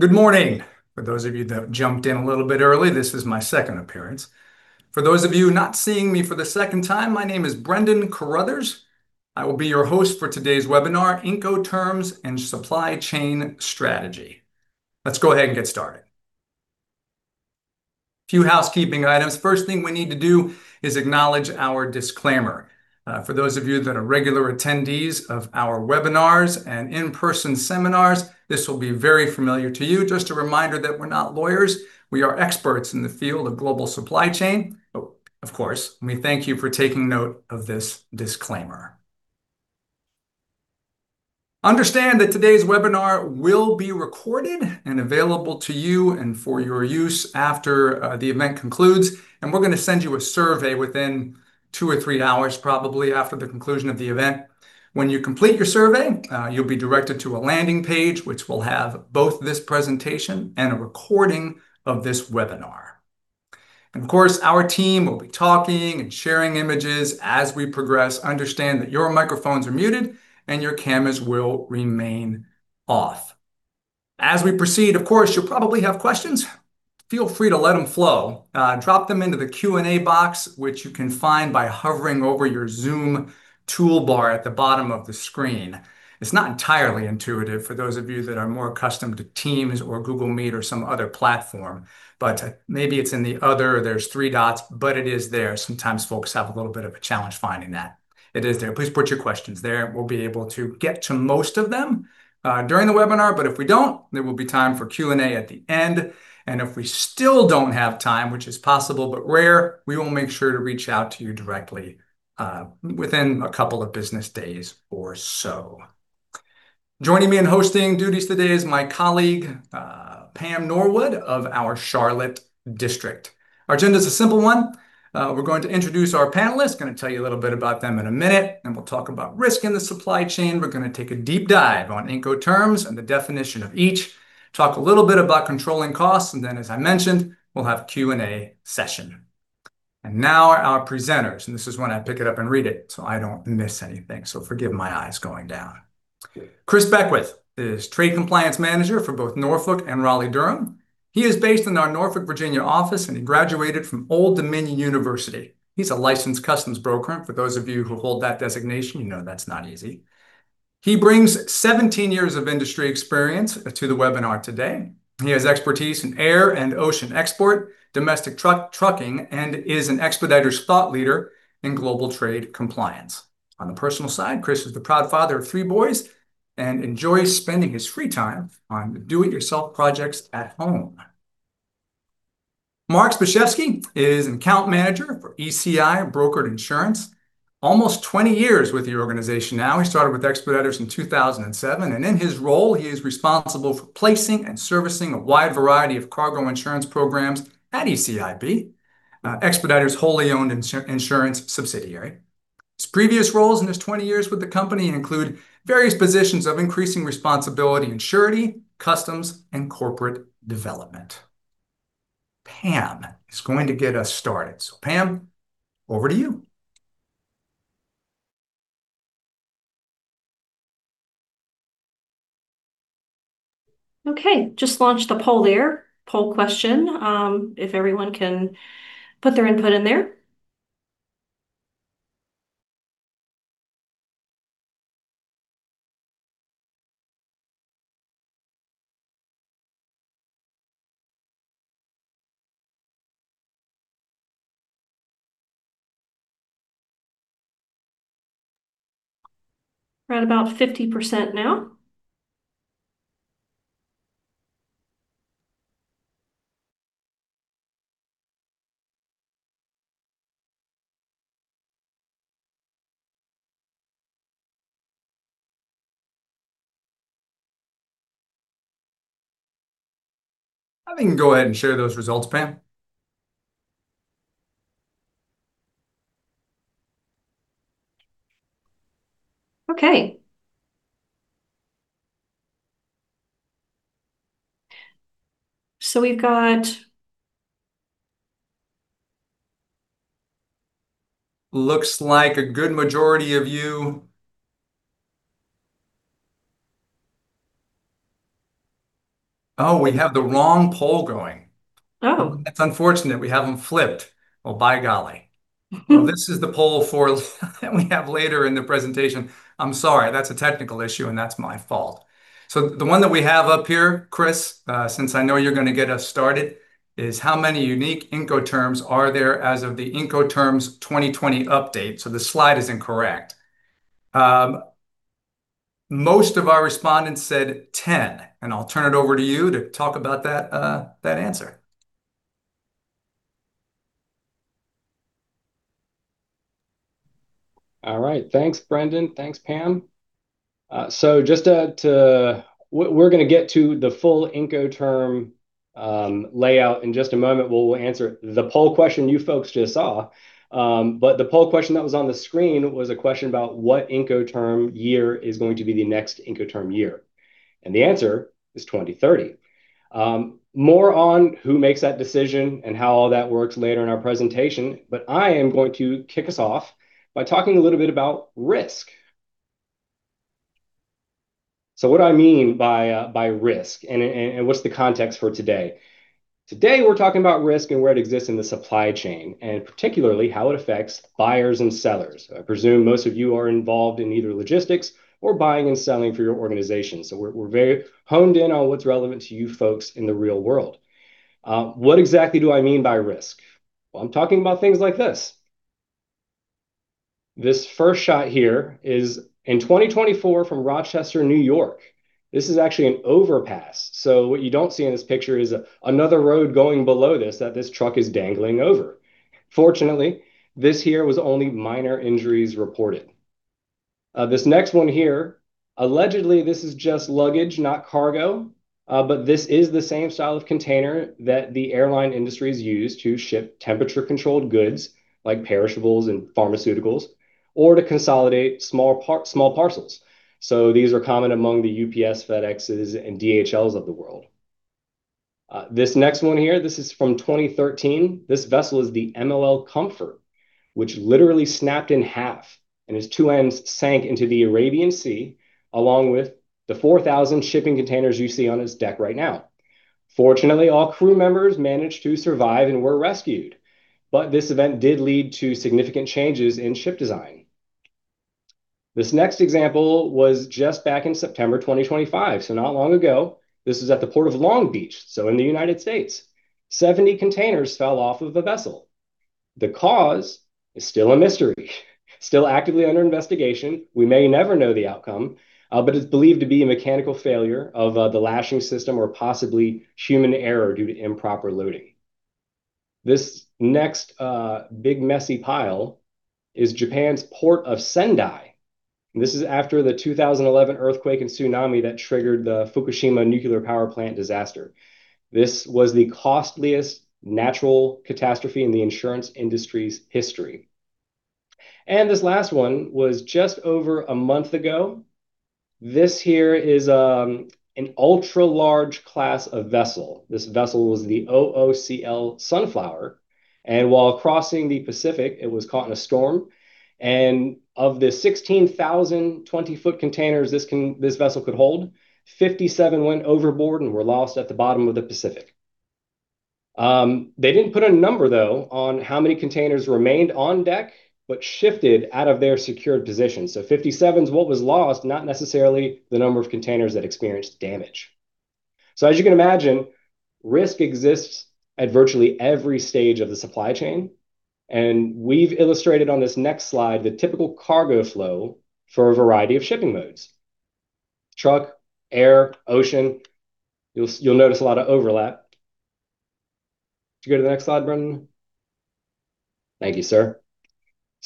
Good morning. For those of you that jumped in a little bit early, this is my second appearance. For those of you not seeing me for the second time, my name is Brendan Carruthers. I will be your host for today's webinar, Incoterms and Supply Chain Strategy. Let's go ahead and get started. Few housekeeping items. First thing we need to do is acknowledge our disclaimer. For those of you that are regular attendees of our webinars and in-person seminars, this will be very familiar to you. Just a reminder that we're not lawyers. We are experts in the field of global supply chain. Of course, we thank you for taking note of this disclaimer. Understand that today's webinar will be recorded and available to you and for your use after the event concludes. We're going to send you a survey within two or three hours, probably, after the conclusion of the event. When you complete your survey, you'll be directed to a landing page, which will have both this presentation and a recording of this webinar. Of course, our team will be talking and sharing images as we progress. Understand that your microphones are muted and your cameras will remain off. As we proceed, of course, you'll probably have questions. Feel free to let them flow. Drop them into the Q&A box, which you can find by hovering over your Zoom toolbar at the bottom of the screen. It's not entirely intuitive for those of you that are more accustomed to Teams or Google Meet or some other platform, maybe it's in the other. There's three dots, but it is there. Sometimes folks have a little bit of a challenge finding that. It is there. Please put your questions there. We'll be able to get to most of them during the webinar, but if we don't, there will be time for Q&A at the end. If we still don't have time, which is possible but rare, we will make sure to reach out to you directly within a couple of business days or so. Joining me in hosting duties today is my colleague, Pam Norwood of our Charlotte district. Our agenda's a simple one. We're going to introduce our panelists, going to tell you a little bit about them in a minute, we'll talk about risk in the supply chain. We're going to take a deep dive on Incoterms and the definition of each, talk a little bit about controlling costs. Then, as I mentioned, we'll have a Q&A session. Now our presenters, this is when I pick it up and read it, I don't miss anything. Forgive my eyes going down. Chris Beckwith is trade compliance manager for both Norfolk and Raleigh-Durham. He is based in our Norfolk, Virginia office, and he graduated from Old Dominion University. He's a licensed customs broker, and for those of you who hold that designation, you know that's not easy. He brings 17 years of industry experience to the webinar today. He has expertise in air and ocean export, domestic trucking, and is an Expeditors thought leader in global trade compliance. On the personal side, Chris is the proud father of three boys and enjoys spending his free time on do-it-yourself projects at home. Mark Zbyszewski is an account manager for ECI Brokered Insurance. Almost 20 years with the organization now. He started with Expeditors in 2007, and in his role, he is responsible for placing and servicing a wide variety of cargo insurance programs at ECIB, Expeditors' wholly owned insurance subsidiary. His previous roles in his 20 years with the company include various positions of increasing responsibility in surety, customs, and corporate development. Pam is going to get us started. Pam, over to you. Just launched the poll there. Poll question, if everyone can put their input in there. We're at about 50% now. You can go ahead and share those results, Pam. Okay. Looks like a good majority of you, oh, we have the wrong poll going. Oh. That's unfortunate. We have them flipped. Well, by golly. Well, this is the poll that we have later in the presentation. I'm sorry. That's a technical issue, and that's my fault. The one that we have up here, Chris, since I know you're going to get us started, is how many unique Incoterms are there as of the Incoterms 2020 update? The slide is incorrect. Most of our respondents said 10, and I'll turn it over to you to talk about that answer. All right. Thanks, Brendan. Thanks, Pam. We're going to get to the full Incoterm layout in just a moment, where we'll answer the poll question you folks just saw. The poll question that was on the screen was a question about what Incoterm year is going to be the next Incoterm year. The answer is 2030. More on who makes that decision and how all that works later in our presentation, I am going to kick us off by talking a little bit about risk. What I mean by risk, and what's the context for today? Today, we're talking about risk and where it exists in the supply chain, and particularly how it affects buyers and sellers. I presume most of you are involved in either logistics or buying and selling for your organization. We're very honed in on what's relevant to you folks in the real world. What exactly do I mean by risk? Well, I'm talking about things like this. This first shot here is in 2024 from Rochester, New York. This is actually an overpass. What you don't see in this picture is another road going below this that this truck is dangling over. Fortunately, this here was only minor injuries reported. This next one here, allegedly this is just luggage, not cargo. This is the same style of container that the airline industries use to ship temperature-controlled goods, like perishables and pharmaceuticals, or to consolidate small parcels. These are common among the UPS, FedExes, and DHLs of the world. This next one here, this is from 2013. This vessel is the MOL Comfort, which literally snapped in half, and its two ends sank into the Arabian Sea, along with the 4,000 shipping containers you see on its deck right now. Fortunately, all crew members managed to survive and were rescued. This event did lead to significant changes in ship design. This next example was just back in September 2025, so not long ago. This is at the Port of Long Beach, so in the United States, 70 containers fell off of a vessel. The cause is still a mystery, still actively under investigation. We may never know the outcome. It's believed to be a mechanical failure of the lashing system or possibly human error due to improper loading. This next big messy pile is Japan's Port of Sendai. This is after the 2011 earthquake and tsunami that triggered the Fukushima nuclear power plant disaster. This was the costliest natural catastrophe in the insurance industry's history. This last one was just over a month ago. This here is an ultra-large class of vessel. This vessel was the OOCL Sunflower. While crossing the Pacific, it was caught in a storm. Of the 16,000 20 ft containers this vessel could hold, 57 went overboard and were lost at the bottom of the Pacific. They didn't put a number, though, on how many containers remained on deck, but shifted out of their secured position. 57 is what was lost, not necessarily the number of containers that experienced damage. As you can imagine, risk exists at virtually every stage of the supply chain, and we've illustrated on this next slide the typical cargo flow for a variety of shipping modes. Truck, air, ocean. You'll notice a lot of overlap. Could you go to the next slide, Brendan? Thank you, sir.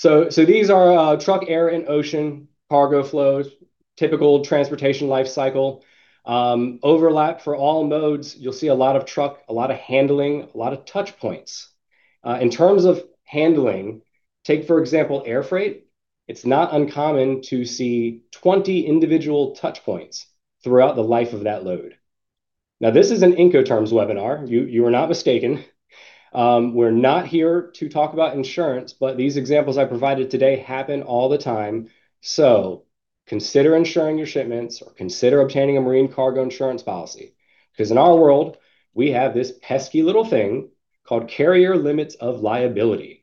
These are truck, air, and ocean cargo flows, typical transportation life cycle. Overlap for all modes. You'll see a lot of truck, a lot of handling, a lot of touch points. In terms of handling, take, for example, air freight. It's not uncommon to see 20 individual touch points throughout the life of that load. Now, this is an Incoterms webinar. You are not mistaken. We're not here to talk about insurance, these examples I provided today happen all the time. Consider insuring your shipments or consider obtaining a marine cargo insurance policy. In our world, we have this pesky little thing called carrier limits of liability.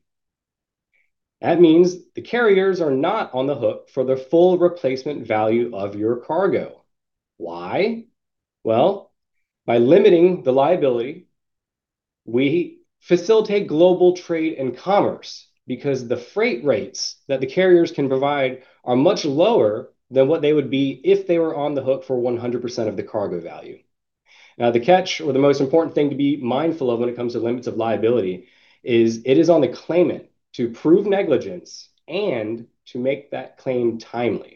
That means the carriers are not on the hook for the full replacement value of your cargo. Why? By limiting the liability, we facilitate global trade and commerce because the freight rates that the carriers can provide are much lower than what they would be if they were on the hook for 100% of the cargo value. The catch, or the most important thing to be mindful of when it comes to limits of liability, is it is on the claimant to prove negligence and to make that claim timely.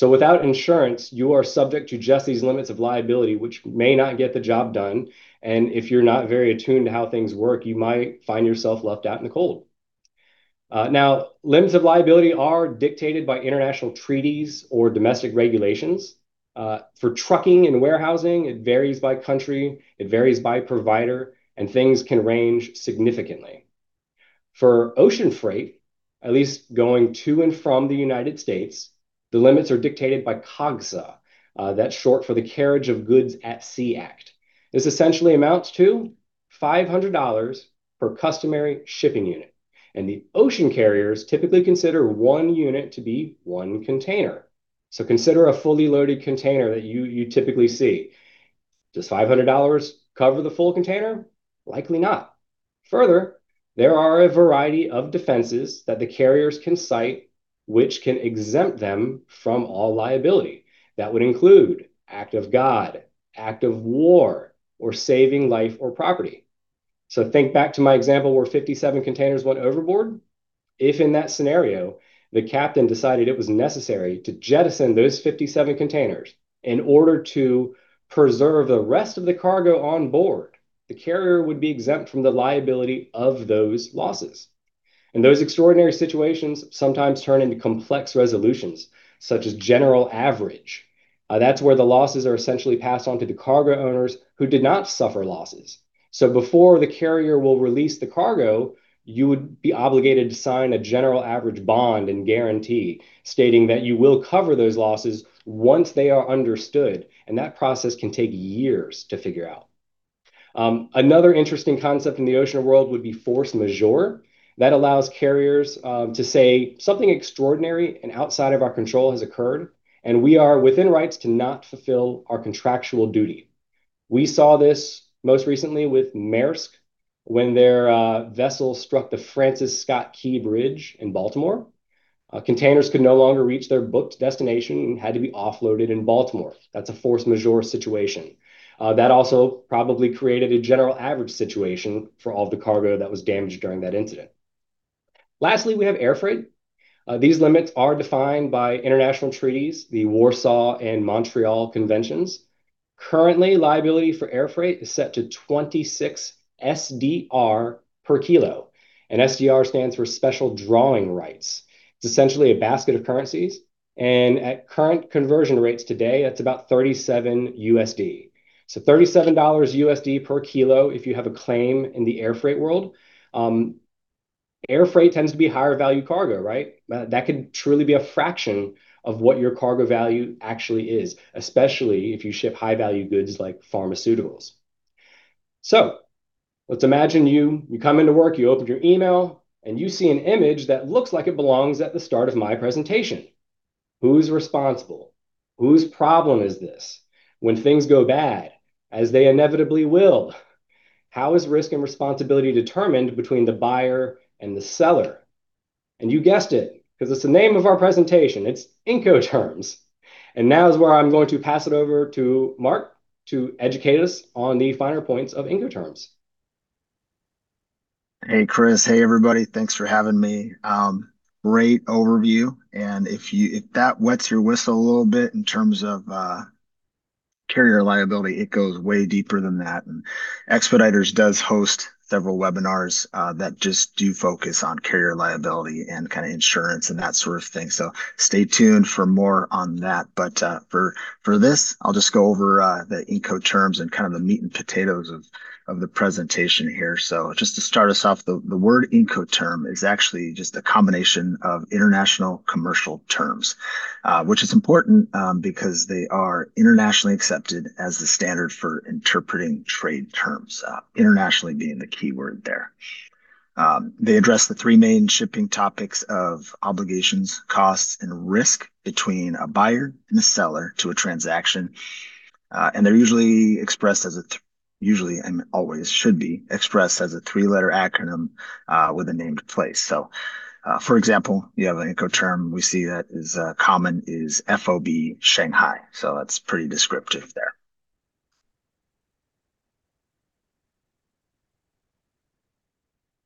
Without insurance, you are subject to just these limits of liability, which may not get the job done. If you're not very attuned to how things work, you might find yourself left out in the cold. Limits of liability are dictated by international treaties or domestic regulations. For trucking and warehousing, it varies by country, it varies by provider, and things can range significantly. For ocean freight, at least going to and from the United States, the limits are dictated by COGSA. That's short for the Carriage of Goods by Sea Act. This essentially amounts to $500 per customary shipping unit, and the ocean carriers typically consider one unit to be one container. Consider a fully loaded container that you typically see. Does $500 cover the full container? Likely not. Further, there are a variety of defenses that the carriers can cite which can exempt them from all liability. That would include act of God, act of war, or saving life or property. Think back to my example where 57 containers went overboard. If in that scenario, the captain decided it was necessary to jettison those 57 containers in order to preserve the rest of the cargo on board, the carrier would be exempt from the liability of those losses. Those extraordinary situations sometimes turn into complex resolutions, such as general average. That's where the losses are essentially passed on to the cargo owners who did not suffer losses. Before the carrier will release the cargo, you would be obligated to sign a general average bond and guarantee stating that you will cover those losses once they are understood, and that process can take years to figure out. Another interesting concept in the ocean world would be force majeure. That allows carriers to say, "Something extraordinary and outside of our control has occurred, and we are within rights to not fulfill our contractual duty." We saw this most recently with Maersk when their vessel struck the Francis Scott Key Bridge in Baltimore. Containers could no longer reach their booked destination and had to be offloaded in Baltimore. That's a force majeure situation. That also probably created a general average situation for all of the cargo that was damaged during that incident. Lastly, we have air freight. These limits are defined by international treaties, the Warsaw Convention and Montreal Convention. Currently, liability for air freight is set to 26 SDR per kilo, and SDR stands for special drawing rights. It's essentially a basket of currencies, and at current conversion rates today, that's about $37. $37/kg if you have a claim in the air freight world. Air freight tends to be higher value cargo, right? That could truly be a fraction of what your cargo value actually is, especially if you ship high-value goods like pharmaceuticals. Let's imagine you come into work, you open your email, and you see an image that looks like it belongs at the start of my presentation. Who's responsible? Whose problem is this? When things go bad, as they inevitably will, how is risk and responsibility determined between the buyer and the seller? You guessed it, because it's the name of our presentation. It's Incoterms. Now is where I'm going to pass it over to Mark to educate us on the finer points of Incoterms. Hey, Chris. Hey, everybody. Thanks for having me. Great overview, if that wets your whistle a little bit in terms of carrier liability, it goes way deeper than that. Expeditors does host several webinars that just do focus on carrier liability and insurance and that sort of thing. Stay tuned for more on that. For this, I'll just go over the Incoterms and kind of the meat and potatoes of the presentation here. Just to start us off, the word Incoterm is actually just a combination of international commercial terms, which is important, because they are internationally accepted as the standard for interpreting trade terms. Internationally being the keyword there. They address the three main shipping topics of obligations, costs, and risk between a buyer and a seller to a transaction. They're usually and always should be expressed as a three-letter acronym, with a named place. For example, you have an Incoterm we see that is common is FOB Shanghai, that's pretty descriptive there.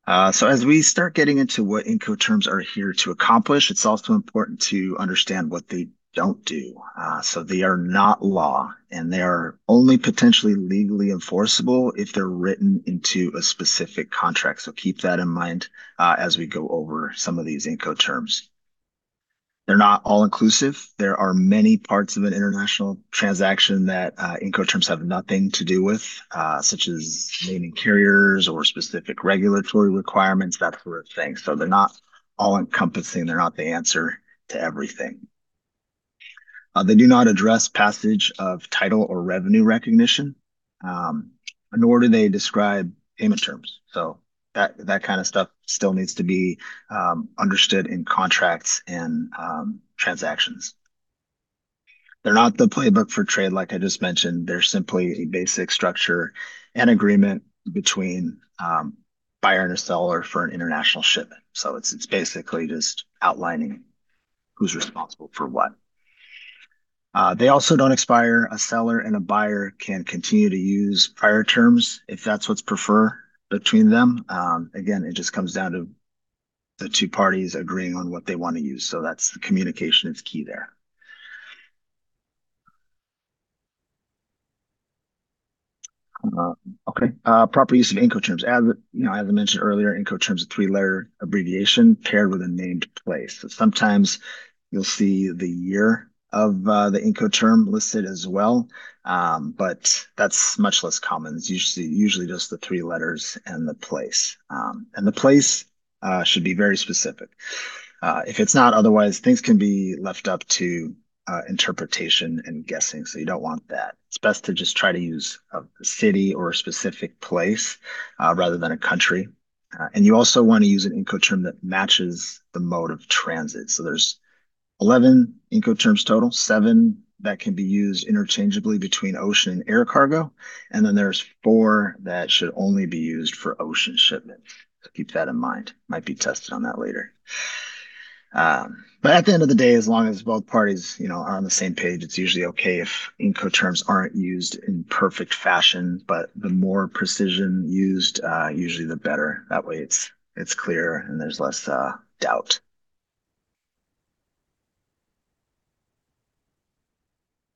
As we start getting into what Incoterms are here to accomplish, it's also important to understand what they don't do. They are not law, and they are only potentially legally enforceable if they're written into a specific contract. Keep that in mind as we go over some of these Incoterms. They're not all inclusive. There are many parts of an international transaction that Incoterms have nothing to do with, such as naming carriers or specific regulatory requirements, that sort of thing. They're not all encompassing. They're not the answer to everything. They do not address passage of title or revenue recognition, nor do they describe payment terms. That kind of stuff still needs to be understood in contracts and transactions. They're not the playbook for trade, like I just mentioned. They're simply a basic structure and agreement between buyer and a seller for an international shipment. It's basically just outlining who's responsible for what. They also don't expire. A seller and a buyer can continue to use prior terms if that's what's preferred between them. Again, it just comes down to the two parties agreeing on what they want to use. That's the communication is key there. Okay. Proper use of Incoterms. As I mentioned earlier, Incoterm's a three-letter abbreviation paired with a named place. Sometimes you'll see the year of the Incoterm listed as well, but that's much less common. It's usually just the three letters and the place. The place should be very specific. If it's not, otherwise, things can be left up to interpretation and guessing. You don't want that. It's best to just try to use a city or a specific place, rather than a country. You also want to use an Incoterm that matches the mode of transit. There's 11 Incoterms total. Seven that can be used interchangeably between ocean and air cargo, and then there's four that should only be used for ocean shipments. Keep that in mind. Might be tested on that later. At the end of the day, as long as both parties are on the same page, it's usually okay if Incoterms aren't used in perfect fashion. The more precision used, usually the better. That way it's clear, and there's less doubt.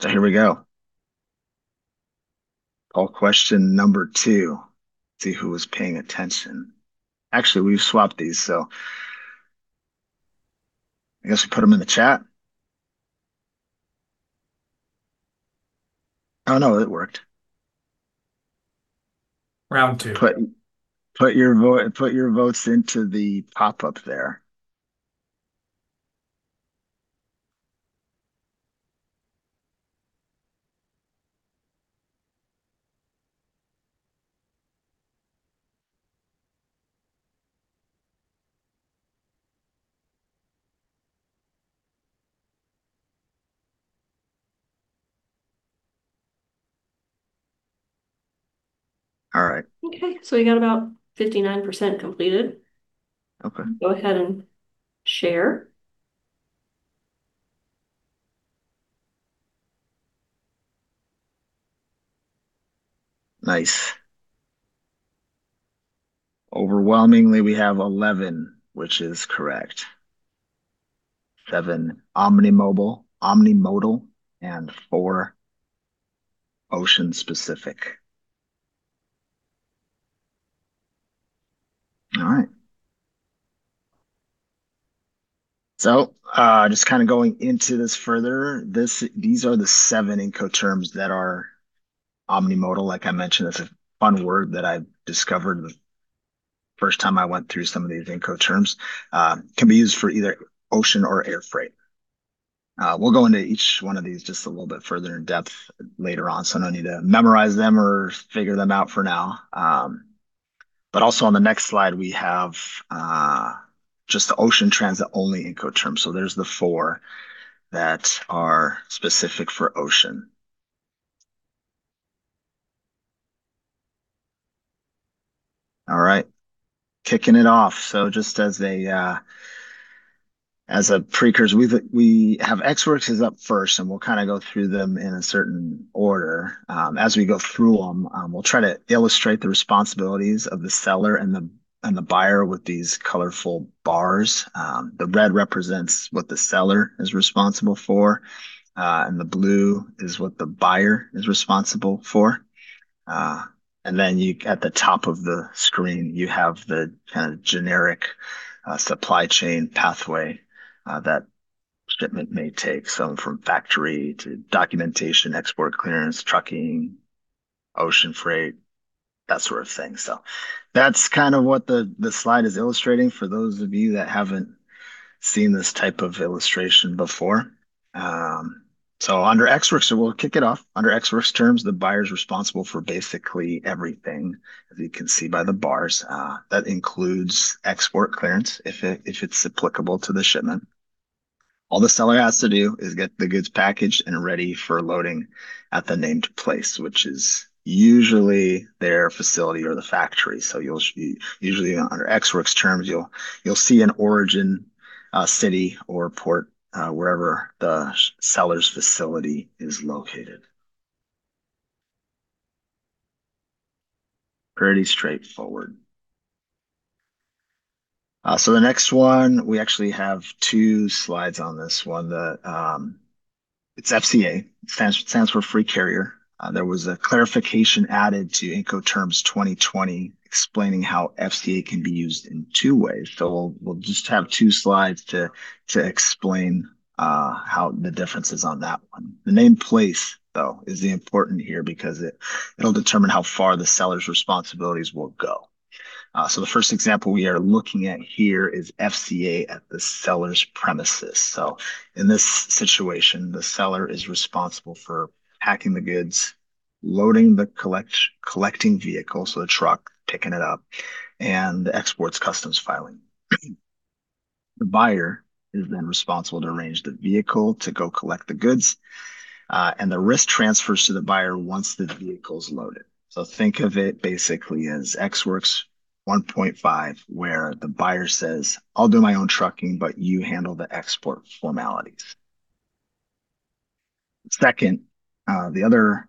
Here we go. Poll question number two. See who was paying attention. Actually, we've swapped these. I guess we put them in the chat. Oh, no, it worked. Round two. Put your votes into the pop-up there. All right. Okay, we got about 59% completed. Okay. Go ahead and share. Nice. Overwhelmingly, we have 11, which is correct. Seven omnimodal, and four ocean specific. All right. Just kind of going into this further, these are the seven Incoterms that are omnimodal, like I mentioned. That's a fun word that I discovered the first time I went through some of these Incoterms. Can be used for either ocean or air freight. We'll go into each one of these just a little bit further in-depth later on, so no need to memorize them or figure them out for now. Also on the next slide, we have just the ocean transit only Incoterms. There's the four that are specific for ocean. All right. Kicking it off. Just as a precursor, we have EX Works is up first, and we'll kind of go through them in a certain order. As we go through them, we'll try to illustrate the responsibilities of the seller and the buyer with these colorful bars. The red represents what the seller is responsible for, and the blue is what the buyer is responsible for. Then at the top of the screen, you have the kind of generic supply chain pathway that shipment may take. From factory to documentation, export clearance, trucking, ocean freight, that sort of thing. That's kind of what the slide is illustrating for those of you that haven't seen this type of illustration before. Under EX Works, we'll kick it off. Under EX Works terms, the buyer's responsible for basically everything, as you can see by the bars. That includes export clearance, if it's applicable to the shipment. All the seller has to do is get the goods packaged and ready for loading at the named place, which is usually their facility or the factory. Usually under EX Works terms, you'll see an origin, city, or port, wherever the seller's facility is located. Pretty straightforward. The next one, we actually have two slides on this one. It's FCA, stands for Free Carrier. There was a clarification added to Incoterms 2020 explaining how FCA can be used in two ways. We'll just have two slides to explain the differences on that one. The named place, though, is important here because it'll determine how far the seller's responsibilities will go. The first example we are looking at here is FCA at the seller's premises. In this situation, the seller is responsible for packing the goods, loading the collecting vehicle, the truck, picking it up, and the exports customs filing. The buyer is then responsible to arrange the vehicle to go collect the goods, and the risk transfers to the buyer once the vehicle's loaded. Think of it basically as EX Works 1.5, where the buyer says, "I'll do my own trucking, but you handle the export formalities." The other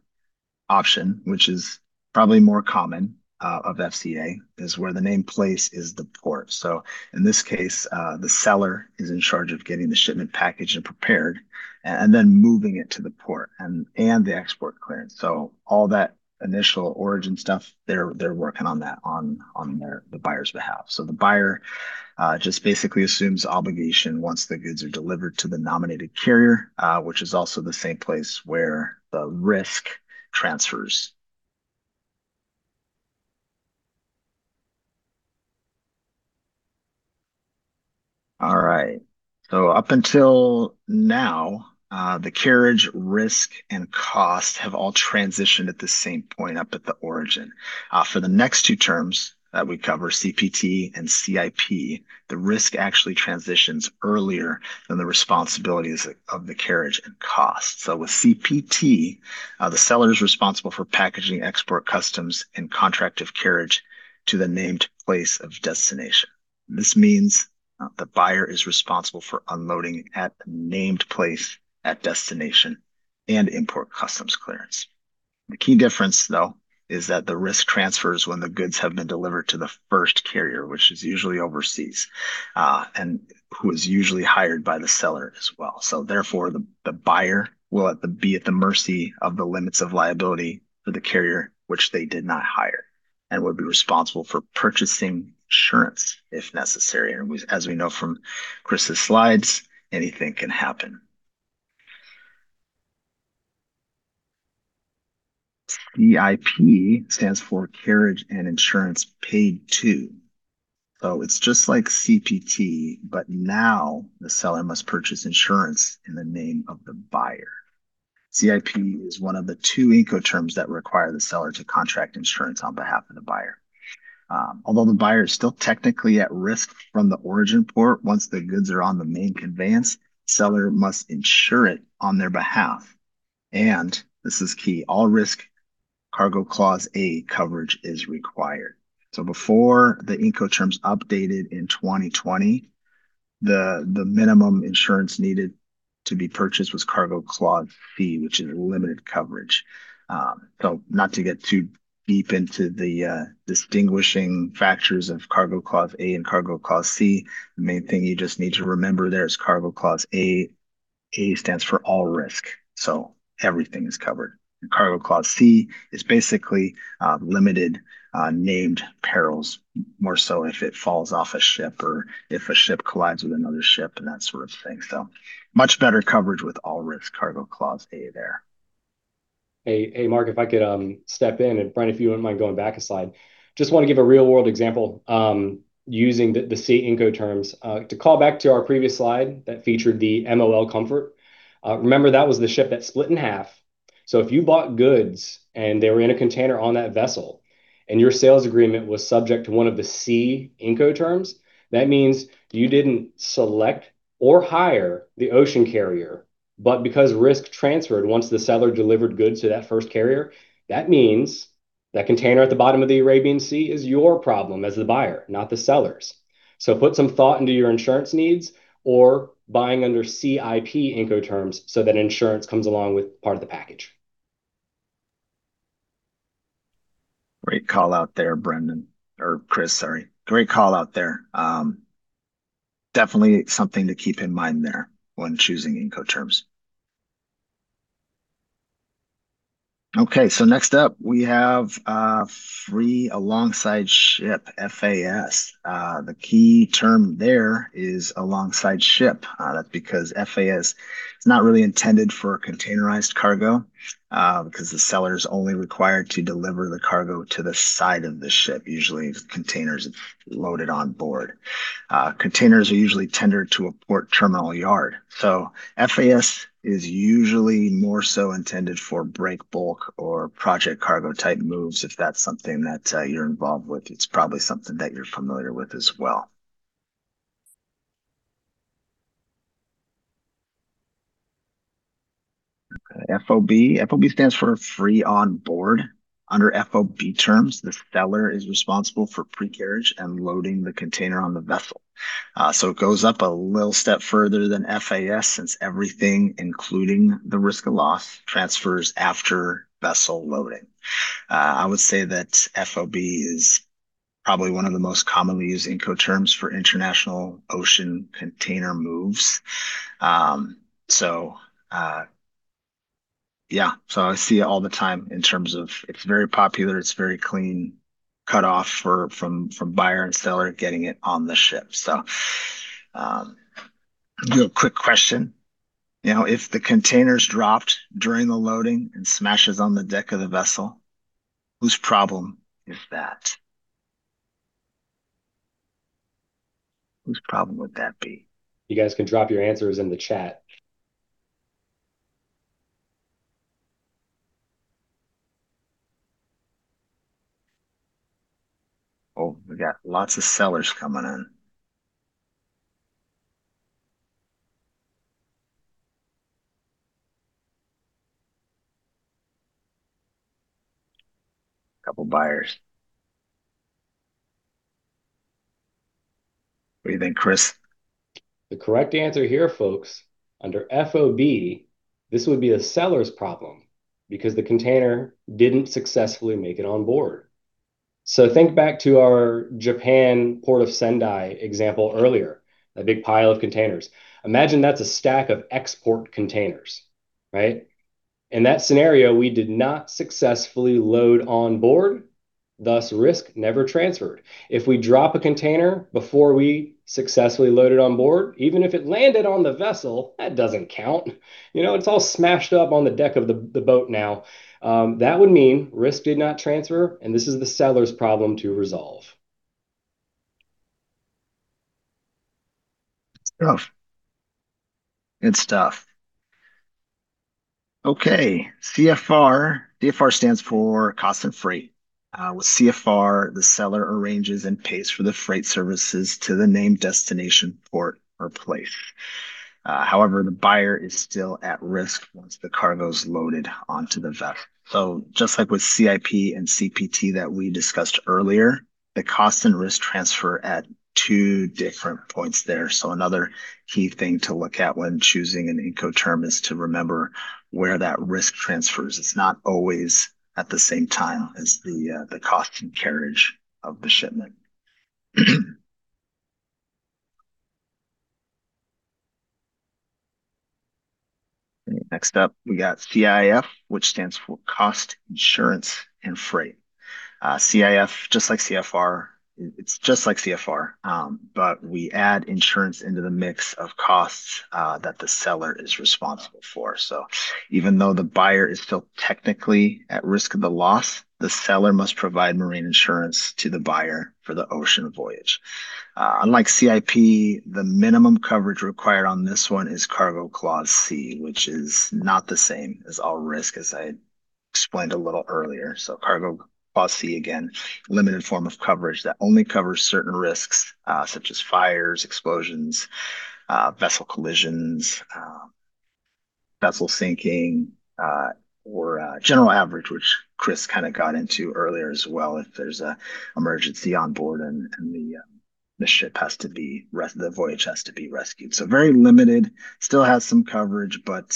option, which is probably more common of FCA, is where the named place is the port. In this case, the seller is in charge of getting the shipment packaged and prepared and then moving it to the port, and the export clearance. All that initial origin stuff, they're working on the buyer's behalf. The buyer just basically assumes obligation once the goods are delivered to the nominated carrier, which is also the same place where the risk transfers. Up until now, the carriage risk and cost have all transitioned at the same point up at the origin. For the next two terms that we cover, CPT and CIP, the risk actually transitions earlier than the responsibilities of the carriage and cost. With CPT, the seller is responsible for packaging, export customs, and contract of carriage to the named place of destination. This means the buyer is responsible for unloading at the named place at destination and import customs clearance. The key difference, though, is that the risk transfers when the goods have been delivered to the first carrier, which is usually overseas, and who is usually hired by the seller as well. Therefore, the buyer will be at the mercy of the limits of liability for the carrier, which they did not hire and would be responsible for purchasing insurance if necessary. As we know from Chris's slides, anything can happen. CIP stands for Carriage and Insurance Paid To. It's just like CPT, but now the seller must purchase insurance in the name of the buyer. CIP is one of the two Incoterms that require the seller to contract insurance on behalf of the buyer. Although the buyer is still technically at risk from the origin port, once the goods are on the main conveyance, seller must insure it on their behalf. This is key, all risk Cargo Clause A coverage is required. Before the Incoterms updated in 2020, the minimum insurance needed to be purchased was Cargo Clause C, which is a limited coverage. Not to get too deep into the distinguishing factors of Cargo Clause A and Cargo Clause C, the main thing you just need to remember there is Cargo Clause A stands for all risk, so everything is covered. Cargo Clause C is basically limited, named perils, more so if it falls off a ship or if a ship collides with another ship and that sort of thing. Much better coverage with all risk Cargo Clause A there. Hey, Mark, if I could step in, and Brendan, if you wouldn't mind going back a slide. I just want to give a real-world example using the C Incoterms. I want to call back to our previous slide that featured the MOL Comfort. You remember, that was the ship that split in half. If you bought goods and they were in a container on that vessel, and your sales agreement was subject to one of the C Incoterms, that means you didn't select or hire the ocean carrier, but because risk transferred once the seller delivered goods to that first carrier, that means that container at the bottom of the Arabian Sea is your problem as the buyer, not the seller's. Put some thought into your insurance needs or buying under CIP Incoterms so that insurance comes along with part of the package. Great call out there, Brendan, or Chris, sorry. Great call out there. Definitely something to keep in mind there when choosing Incoterms. Next up, we have Free Alongside Ship, FAS. The key term there is alongside ship. That's because FAS is not really intended for containerized cargo, because the seller's only required to deliver the cargo to the side of the ship. Usually, the container's loaded on board. Containers are usually tendered to a port terminal yard. FAS is usually more so intended for break bulk or project cargo type moves, if that's something that you're involved with, it's probably something that you're familiar with as well. FOB. FOB stands for Free On Board. Under FOB terms, the seller is responsible for pre-carriage and loading the container on the vessel. It goes up a little step further than FAS since everything, including the risk of loss, transfers after vessel loading. I would say that FOB is probably one of the most commonly used Incoterms for international ocean container moves. Yeah. I see it all the time in terms of it's very popular, it's very clean cutoff from buyer and seller getting it on the ship. Real quick question. If the container's dropped during the loading and smashes on the deck of the vessel, whose problem is that? Whose problem would that be? You guys can drop your answers in the chat. Oh, we got lots of sellers coming in, a couple buyers. What do you think, Chris? The correct answer here, folks, under FOB, this would be the seller's problem because the container didn't successfully make it on board. Think back to our Japan Port of Sendai example earlier, that big pile of containers. Imagine that's a stack of export containers, right? In that scenario, we did not successfully load on board, thus risk never transferred. If we drop a container before we successfully load it on board, even if it landed on the vessel, that doesn't count. It's all smashed up on the deck of the boat now. That would mean risk did not transfer, this is the seller's problem to resolve. Good stuff. Okay, CFR. CFR stands for Cost and Freight. With CFR, the seller arranges and pays for the freight services to the named destination port or place. However, the buyer is still at risk once the cargo's loaded onto the vessel. Just like with CIP and CPT that we discussed earlier, the cost and risk transfer at two different points there. Another key thing to look at when choosing an Incoterm is to remember where that risk transfers. It's not always at the same time as the cost and carriage of the shipment. Next up, we got CIF, which stands for Cost, Insurance, and Freight. CIF, it's just like CFR, but we add insurance into the mix of costs that the seller is responsible for. Even though the buyer is still technically at risk of the loss, the seller must provide marine insurance to the buyer for the ocean voyage. Unlike CIP, the minimum coverage required on this one is Cargo Clause C, which is not the same as all risk, as I explained a little earlier. Cargo Clause C, again, limited form of coverage that only covers certain risks, such as fires, explosions, vessel collisions, vessel sinking, or general average, which Chris kind of got into earlier as well, if there's a emergency on board and the voyage has to be rescued. Very limited. Still has some coverage, but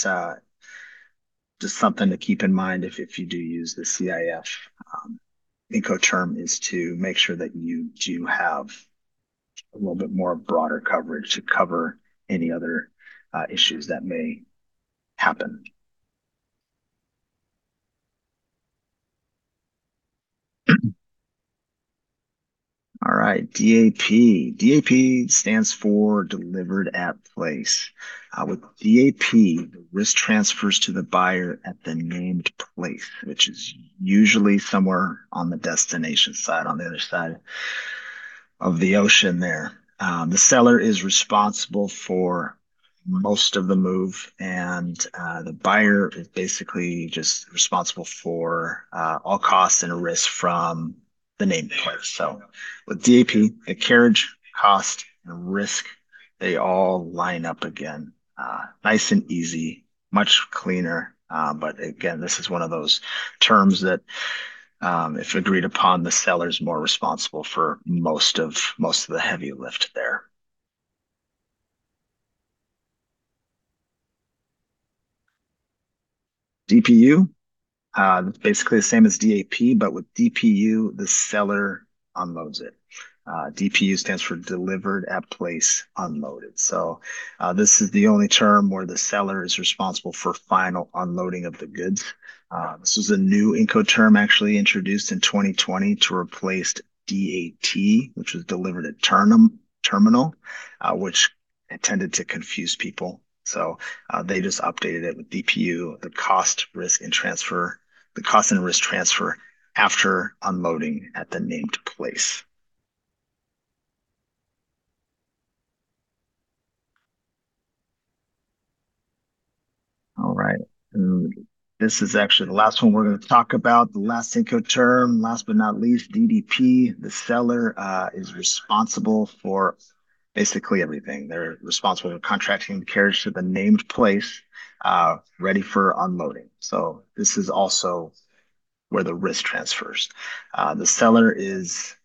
just something to keep in mind if you do use the CIF Incoterm, is to make sure that you do have a little bit more broader coverage to cover any other issues that may happen. All right. DAP. DAP stands for Delivered at Place. With DAP, the risk transfers to the buyer at the named place, which is usually somewhere on the destination side, on the other side of the ocean there. The seller is responsible for most of the move, and the buyer is basically just responsible for all costs and risk from the named place. With DAP, the carriage, cost, and risk, they all line up again. Nice and easy, much cleaner. Again, this is one of those terms that, if agreed upon, the seller's more responsible for most of the heavy lift there. DPU. Basically the same as DAP, but with DPU, the seller unloads it. DPU stands for Delivered at Place Unloaded. This is the only term where the seller is responsible for final unloading of the goods. This was a new Incoterm actually introduced in 2020 to replace DAT, which was Delivered at Terminal, which tended to confuse people. They just updated it with DPU, the cost and risk transfer after unloading at the named place. All right. This is actually the last one we're going to talk about, the last Incoterm. Last but not least, DDP. The seller is responsible for basically everything. They're responsible for contracting the carriage to the named place, ready for unloading. This is also where the risk transfers. The seller is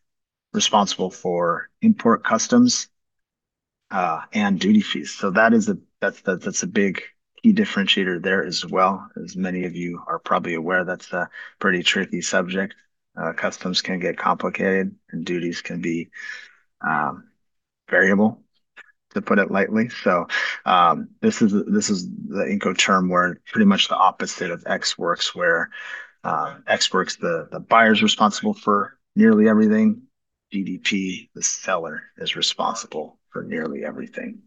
responsible for import customs, and duty fees. That's a big key differentiator there as well. As many of you are probably aware, that's a pretty tricky subject. Customs can get complicated, and duties can be variable, to put it lightly. This is the Incoterm where pretty much the opposite of EX Works, where EX Works, the buyer's responsible for nearly everything. DDP, the seller is responsible for nearly everything.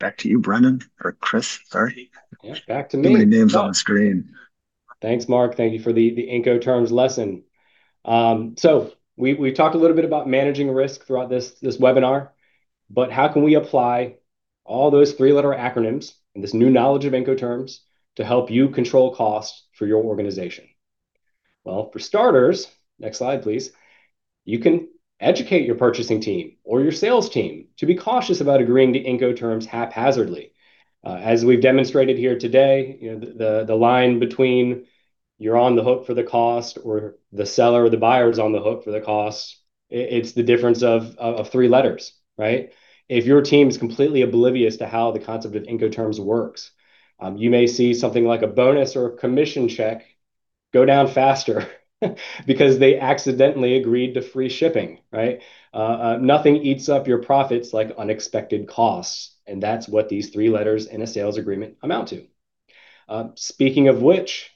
Back to you, Brendan or Chris. Sorry. Yeah, back to me. Too many names on the screen. Thanks, Mark. Thank you for the Incoterms lesson. We talked a little bit about managing risk throughout this webinar, but how can we apply all those three-letter acronyms and this new knowledge of Incoterms to help you control costs for your organization? For starters, next slide, please. You can educate your purchasing team or your sales team to be cautious about agreeing to Incoterms haphazardly. As we've demonstrated here today, the line between you're on the hook for the cost or the seller or the buyer's on the hook for the cost, it's the difference of three letters, right? If your team is completely oblivious to how the concept of Incoterms works, you may see something like a bonus or a commission check go down faster because they accidentally agreed to free shipping, right? Nothing eats up your profits like unexpected costs, and that's what these three letters in a sales agreement amount to. Speaking of which,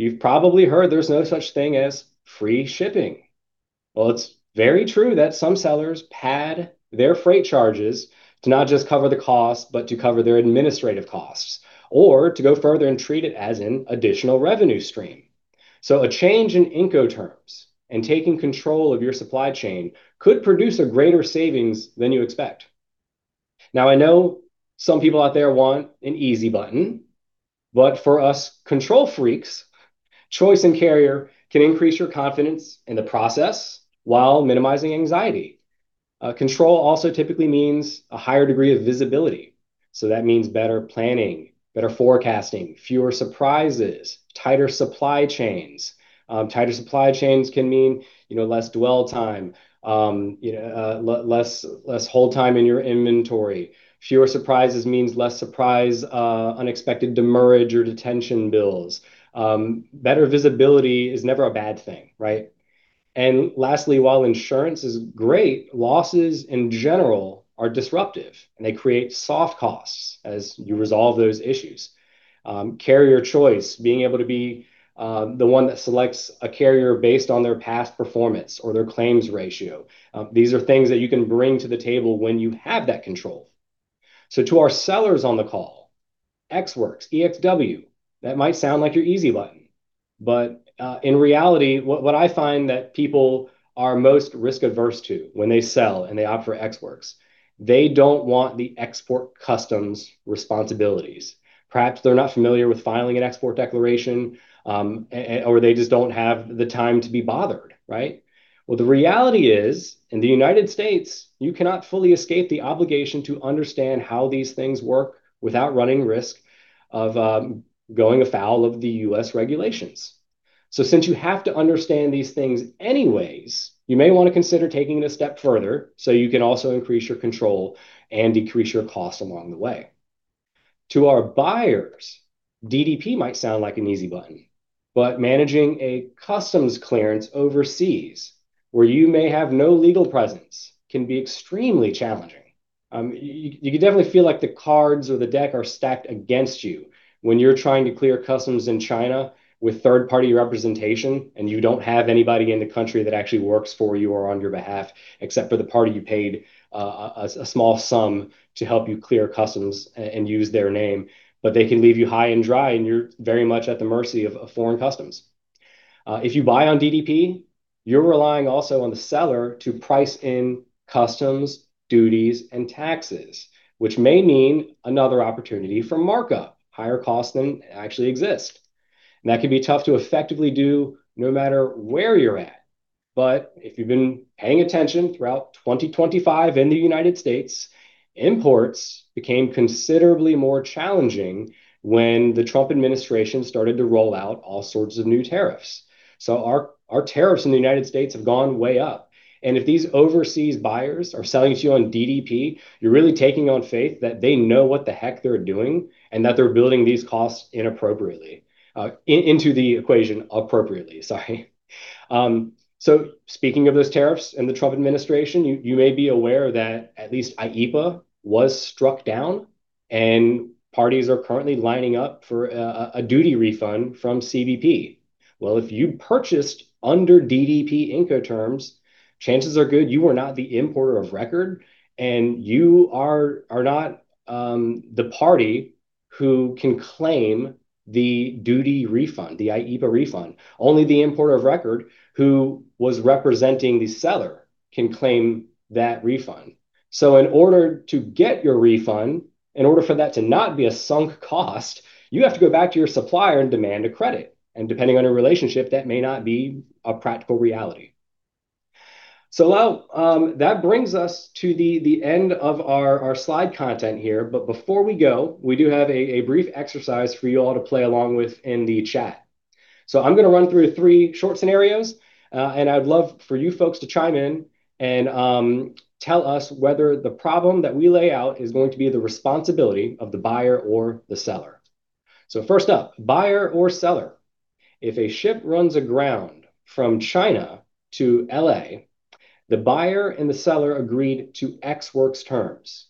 you've probably heard there's no such thing as free shipping. It's very true that some sellers pad their freight charges to not just cover the cost, but to cover their administrative costs, or to go further and treat it as an additional revenue stream. A change in Incoterms and taking control of your supply chain could produce a greater savings than you expect. I know some people out there want an easy button, but for us control freaks, choice in carrier can increase your confidence in the process while minimizing anxiety. Control also typically means a higher degree of visibility. That means better planning, better forecasting, fewer surprises, tighter supply chains. Tighter supply chains can mean less dwell time, less hold time in your inventory. Fewer surprises means less surprise, unexpected demurrage or detention bills. Better visibility is never a bad thing, right? Lastly, while insurance is great, losses in general are disruptive, and they create soft costs as you resolve those issues. Carrier choice, being able to be the one that selects a carrier based on their past performance or their claims ratio. These are things that you can bring to the table when you have that control. To our sellers on the call, EX Works, EXW, that might sound like your easy button, but in reality, what I find that people are most risk adverse to when they sell and they opt for EX Works, they don't want the export customs responsibilities. Perhaps they're not familiar with filing an export declaration, or they just don't have the time to be bothered, right? The reality is, in the United States, you cannot fully escape the obligation to understand how these things work without running risk of going afoul of the U.S. regulations. Since you have to understand these things anyways, you may want to consider taking it a step further, so you can also increase your control and decrease your cost along the way. To our buyers, DDP might sound like an easy button, but managing a customs clearance overseas, where you may have no legal presence, can be extremely challenging. You can definitely feel like the cards or the deck are stacked against you when you're trying to clear customs in China with third-party representation and you don't have anybody in the country that actually works for you or on your behalf, except for the party you paid a small sum to help you clear customs and use their name. They can leave you high and dry, and you're very much at the mercy of foreign customs. If you buy on DDP, you're relying also on the seller to price in customs duties and taxes, which may mean another opportunity for markup, higher cost than actually exists. That can be tough to effectively do no matter where you're at. If you've been paying attention throughout 2025 in the United States, imports became considerably more challenging when the Trump administration started to roll out all sorts of new tariffs. Our tariffs in the United States have gone way up, and if these overseas buyers are selling to you on DDP, you're really taking on faith that they know what the heck they're doing, and that they're building these costs inappropriately. Into the equation appropriately, sorry. Speaking of those tariffs and the Trump administration, you may be aware that at least IEEPA was struck down, and parties are currently lining up for a duty refund from CBP. If you purchased under DDP Incoterms, chances are good you are not the Importer of Record, and you are not the party who can claim the duty refund, the IEEPA refund. Only the Importer of Record who was representing the seller can claim that refund. In order to get your refund, in order for that to not be a sunk cost, you have to go back to your supplier and demand a credit. Depending on your relationship, that may not be a practical reality. That brings us to the end of our slide content here. Before we go, we do have a brief exercise for you all to play along with in the chat. I'm going to run through three short scenarios. I'd love for you folks to chime in and tell us whether the problem that we lay out is going to be the responsibility of the buyer or the seller. First up, buyer or seller? If a ship runs aground from China to L.A., the buyer and the seller agreed to EX Works terms.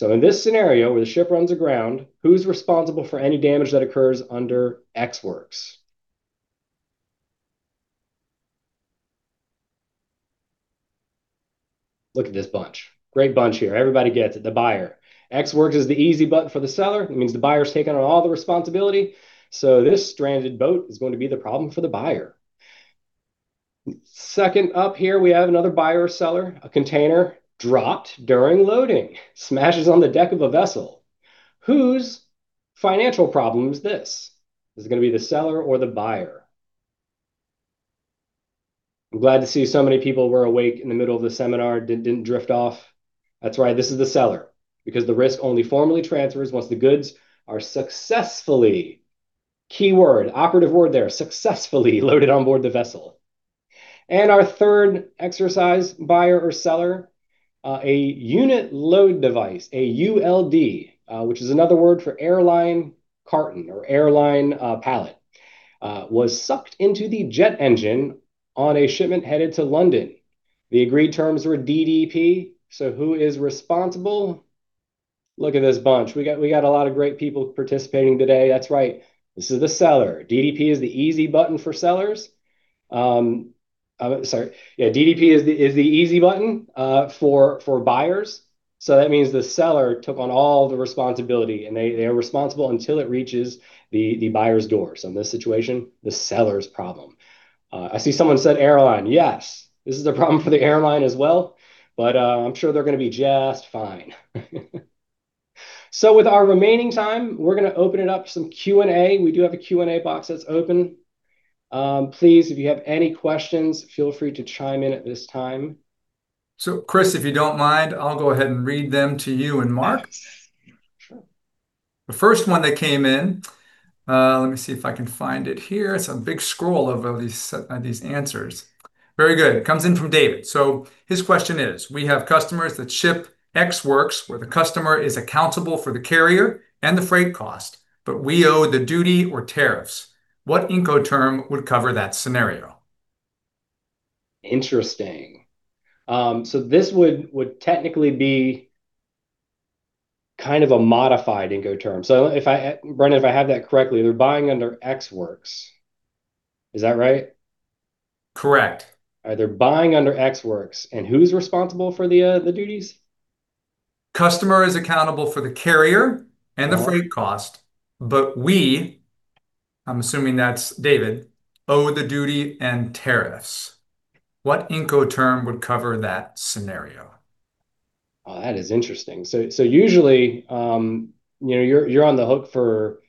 In this scenario where the ship runs aground, who's responsible for any damage that occurs under EX Works? Look at this bunch. Great bunch here. Everybody gets it, the buyer. EX Works is the easy button for the seller. It means the buyer's taken on all the responsibility. This stranded boat is going to be the problem for the buyer. Second up here, we have another buyer or seller. A container dropped during loading, smashes on the deck of a vessel. Whose financial problem is this? Is it going to be the seller or the buyer? I'm glad to see so many people were awake in the middle of the seminar, didn't drift off. That's right, this is the seller. The risk only formally transfers once the goods are successfully, keyword, operative word there, successfully loaded on board the vessel. Our third exercise, buyer or seller. A unit load device, a ULD, which is another word for airline carton or airline pallet was sucked into the jet engine on a shipment headed to London. The agreed terms were DDP. Who is responsible? Look at this bunch. We got a lot of great people participating today. That's right. This is the seller. DDP is the easy button for sellers. Sorry. Yeah. DDP is the easy button for buyers. That means the seller took on all the responsibility, and they are responsible until it reaches the buyer's door. In this situation, the seller's problem. I see someone said airline. Yes, this is a problem for the airline as well, but I'm sure they're going to be just fine. With our remaining time, we're going to open it up for some Q&A. We do have a Q&A box that's open. Please, if you have any questions, feel free to chime in at this time. Chris, if you don't mind, I'll go ahead and read them to you and Mark. Sure. The first one that came in, let me see if I can find it here. It's a big scroll of all these answers. Very good. It comes in from David. His question is, we have customers that ship EX Works where the customer is accountable for the carrier and the freight cost, but we owe the duty or tariffs. What Incoterm would cover that scenario? Interesting. This would technically be kind of a modified Incoterm. Brendan, if I have that correctly, they're buying under EX Works. Is that right? Correct. All right. They're buying under EX Works. Who's responsible for the duties? Customer is accountable for the carrier and the freight cost, but we, I'm assuming that's David, owe the duty and tariffs. What Incoterm would cover that scenario? That is interesting. Usually, you're on the hook for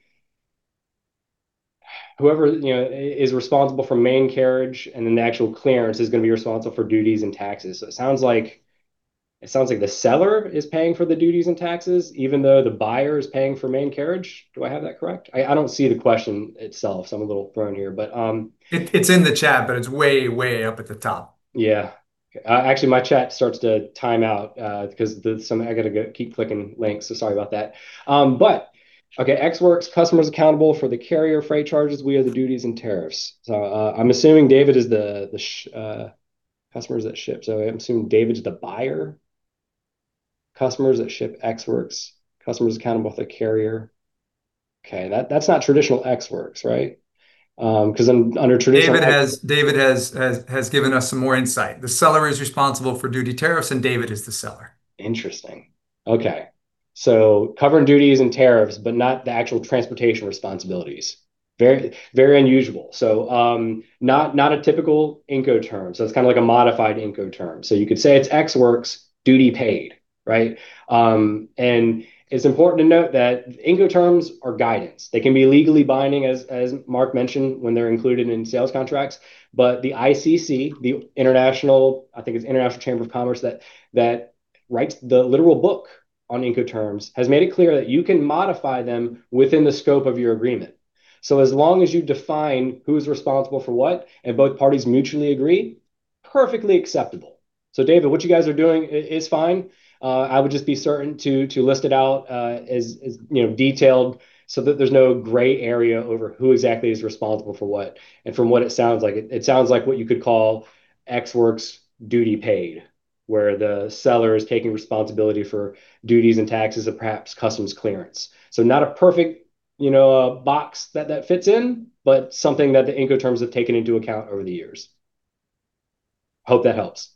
whoever is responsible for main carriage, and then the actual clearance is going to be responsible for duties and taxes. It sounds like the seller is paying for the duties and taxes, even though the buyer is paying for main carriage. Do I have that correct? I don't see the question itself, so I'm a little thrown here. It's in the chat, but it's way up at the top. Actually, my chat starts to time out, because I got to go keep clicking links, so sorry about that. Okay, EX Works, customer's accountable for the carrier freight charges. We owe the duties and tariffs. I'm assuming David is the customers that ship, so I'm assuming David's the buyer. Customers that ship EX Works, customer's accountable for the carrier. Okay, that's not traditional EX Works, right? Because under traditional. David has given us some more insight. The seller is responsible for duty tariffs, and David is the seller. Interesting. Okay. Covering duties and tariffs, but not the actual transportation responsibilities. Very unusual. Not a typical Incoterm, it's kind of like a modified Incoterm. You could say it's EX Works duty paid, right? It's important to note that Incoterms are guidance. They can be legally binding, as Mark mentioned, when they're included in sales contracts, but the ICC, the International Chamber of Commerce, that writes the literal book on Incoterms, has made it clear that you can modify them within the scope of your agreement. As long as you define who's responsible for what, and both parties mutually agree, perfectly acceptable. David, what you guys are doing is fine. I would just be certain to list it out as detailed so that there's no gray area over who exactly is responsible for what. From what it sounds like, it sounds like what you could call EX Works duty paid, where the seller is taking responsibility for duties and taxes and perhaps customs clearance. Not a perfect box that that fits in, but something that the Incoterms have taken into account over the years. Hope that helps.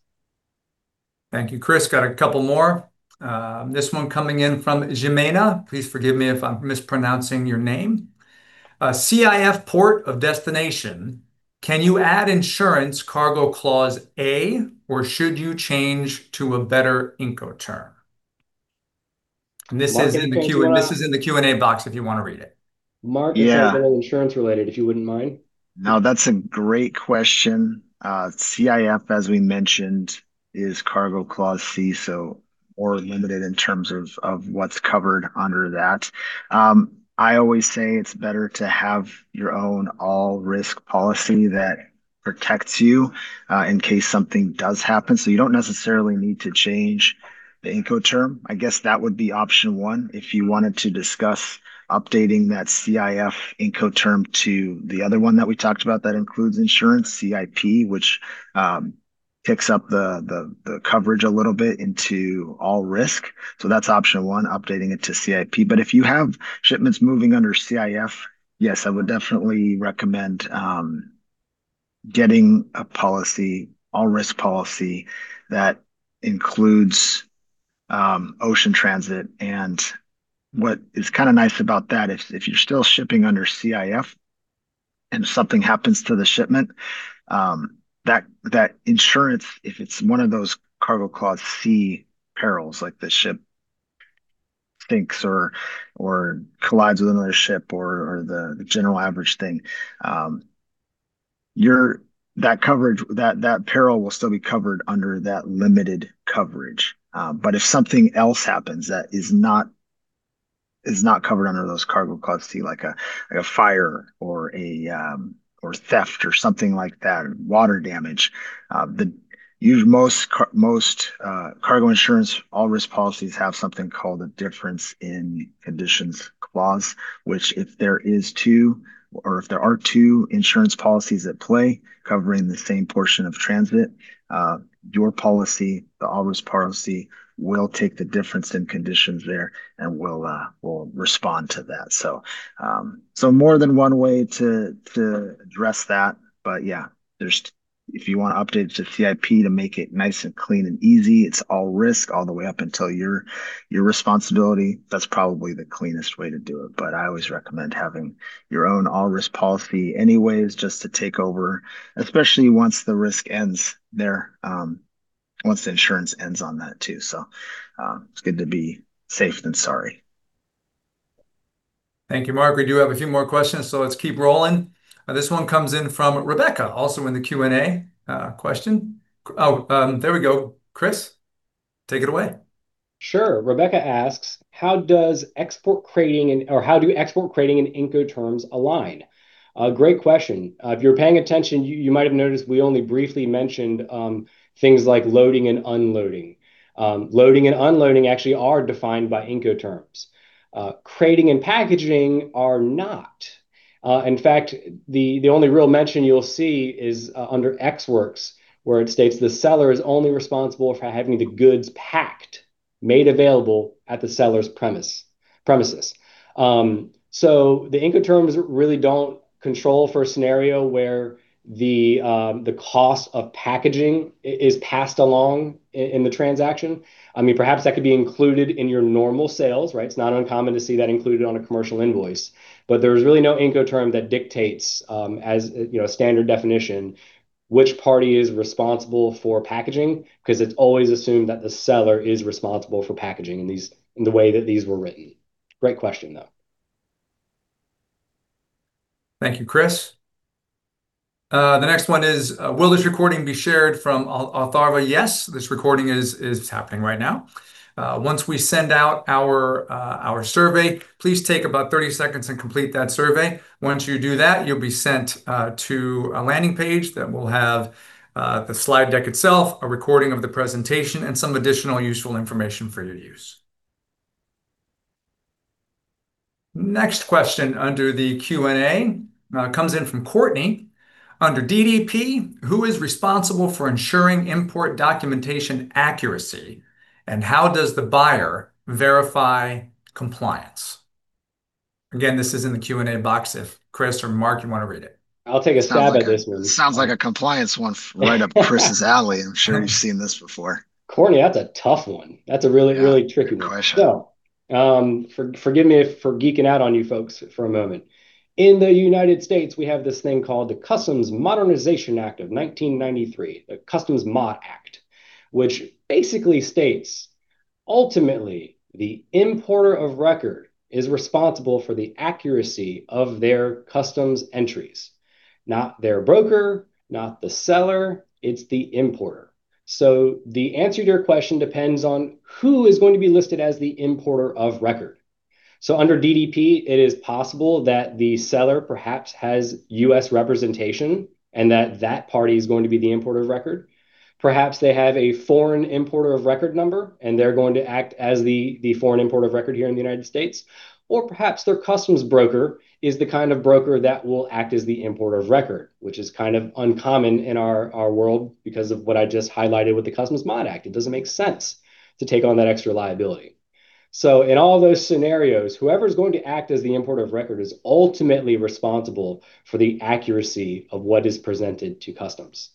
Thank you, Chris. Got a couple more. This one coming in from [Jimena]. Please forgive me if I'm mispronouncing your name. "CIF port of destination. Can you add insurance Cargo Clause A, or should you change to a better Incoterm?" This is in the Q&A box if you want to read it. Mark, this one's all insurance-related, if you wouldn't mind. That's a great question. CIF, as we mentioned, is Cargo Clause C, so more limited in terms of what's covered under that. I always say it's better to have your own all-risk policy that protects you, in case something does happen. You don't necessarily need to change the Incoterm. I guess that would be option one. If you wanted to discuss updating that CIF Incoterm to the other one that we talked about that includes insurance, CIP, which picks up the coverage a little bit into all-risk. That's option one, updating it to CIP. If you have shipments moving under CIF, yes, I would definitely recommend getting a policy, all-risk policy, that includes ocean transit. What is kind of nice about that, if you're still shipping under CIF and something happens to the shipment, that insurance, if it's one of those Cargo Clause C perils, like the ship sinks or collides with another ship or the general average thing, that peril will still be covered under that limited coverage. If something else happens that is not covered under those Cargo Clause C, like a fire or theft or something like that, or water damage, most cargo insurance all-risk policies have something called a difference in conditions clause. Which if there are two insurance policies at play covering the same portion of transit, your policy, the all-risk policy, will take the difference in conditions there and will respond to that. More than one way to address that. Yeah, if you want to update it to CIP to make it nice and clean and easy, it's all-risk all the way up until your responsibility, that's probably the cleanest way to do it. I always recommend having your own all-risk policy anyways just to take over, especially once the risk ends there, once the insurance ends on that too. It's good to be safe than sorry. Thank you, Mark. We do have a few more questions, so let's keep rolling. This one comes in from Rebecca, also in the Q&A. Question. There we go. Chris, take it away. Sure. Rebecca asks, "How do export crating and Incoterms align?" Great question. If you were paying attention, you might have noticed we only briefly mentioned things like loading and unloading. Loading and unloading actually are defined by Incoterms. Crating and packaging are not. In fact, the only real mention you'll see is under EX Works, where it states the seller is only responsible for having the goods packed made available at the seller's premises. The Incoterms really don't control for a scenario where the cost of packaging is passed along in the transaction. Perhaps that could be included in your normal sales, right? It's not uncommon to see that included on a commercial invoice. There's really no Incoterm that dictates, as a standard definition, which party is responsible for packaging, because it's always assumed that the seller is responsible for packaging in the way that these were written. Great question, though. Thank you, Chris. The next one is, "Will this recording be shared?" From [Atharva]. Yes. This recording is happening right now. Once we send out our survey, please take about 30 seconds and complete that survey. Once you do that, you'll be sent to a landing page that will have the slide deck itself, a recording of the presentation, and some additional useful information for your use. Next question under the Q&A comes in from Courtney. "Under DDP, who is responsible for ensuring import documentation accuracy, and how does the buyer verify compliance?" Again, this is in the Q&A box if Chris or Mark you want to read it. I'll take a stab at this one. Sounds like a compliance one right up Chris's alley. I'm sure you've seen this before. Courtney, that's a tough one. That's a really tricky one. Yeah. Good question. Forgive me for geeking out on you folks for a moment. In the United States, we have this thing called the Customs Modernization Act of 1993, the Customs Mod Act, which basically states, ultimately, the Importer of Record is responsible for the accuracy of their customs entries. Not their broker, not the seller, it's the importer. The answer to your question depends on who is going to be listed as the Importer of Record. Under DDP, it is possible that the seller perhaps has U.S. representation and that that party is going to be the Importer of Record. Perhaps they have a foreign Importer of Record number, and they're going to act as the foreign Importer of Record here in the United States. Perhaps their customs broker is the kind of broker that will act as the Importer of Record, which is kind of uncommon in our world because of what I just highlighted with the Customs Mod Act. It doesn't make sense to take on that extra liability. In all those scenarios, whoever's going to act as the Importer of Record is ultimately responsible for the accuracy of what is presented to Customs.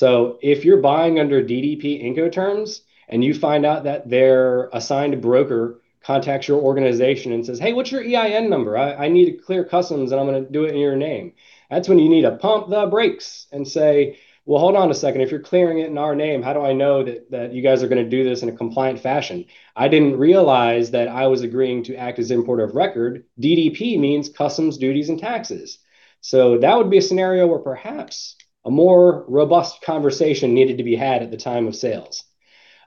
If you're buying under DDP Incoterms, and you find out that their assigned broker contacts your organization and says, "Hey, what's your EIN number? I need to clear Customs, and I'm going to do it in your name." That's when you need to pump the brakes and say, "Well, hold on a second. If you're clearing it in our name, how do I know that you guys are going to do this in a compliant fashion? I didn't realize that I was agreeing to act as Importer of Record. DDP means Customs duties and taxes." That would be a scenario where perhaps a more robust conversation needed to be had at the time of sales.